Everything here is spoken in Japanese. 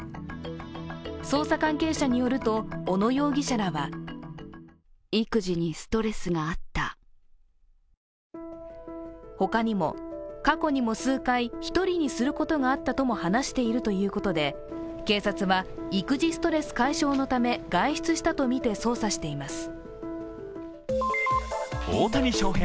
捜査関係者によると小野容疑者らは他にも過去にも数回、１人にすることがあったとも話しているということで、警察は育児ストレス解消のため外出したとみて捜査しています。